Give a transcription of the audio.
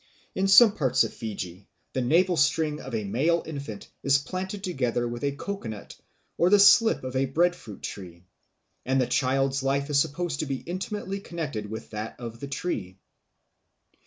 In some parts of Fiji the navel string of a male infant is planted together with a coco nut or the slip of a breadfruit tree, and the child's life is supposed to be intimately connected with that of the tree.